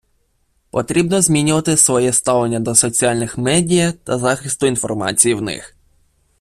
Потрібно змінювати своє ставлення до соціальних медіа та захисту інформації в них.